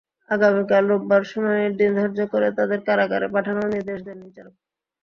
আগামীকাল রোববার শুনানির দিন ধার্য করে তাঁদের কারাগারে পাঠানোর নির্দেশ দেন বিচারক।